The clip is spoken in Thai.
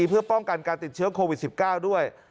เพื่อป้องกันการติดเชื้อโควิด๑๙ด้วย